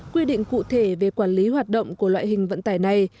quy định cụ thể về quản lý hoạt động của loại hình vận tải này